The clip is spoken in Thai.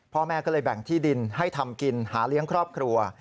พ่อแม่ก็เลยแบ่งที่ดินให้ทำกินหาเลี้ยงครอบครัว